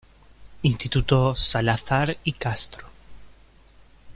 Instituto "salazar y Castro".